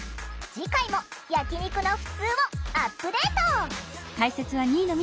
次回も焼き肉のふつうをアップデート！